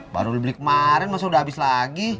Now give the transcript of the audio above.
baru beli kemaren masa udah abis lagi